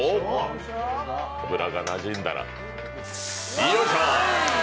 油がなじんだらよいしょ！